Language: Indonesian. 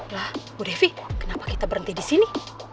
lah bu devi kenapa kita berhenti disini